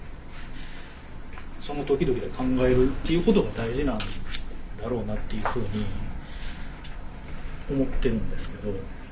その時々で考えるっていうことが大事なんだろうなっていうふうに思ってるんですけど。